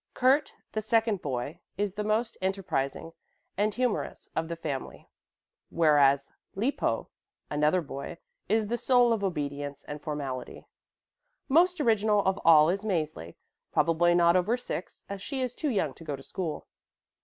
Kurt, the second boy, is the most enterprising and humorous of the family; whereas, Lippo, another boy, is the soul of obedience and formality. Most original of all is Mäzli, probably not over six, as she is too young to go to school.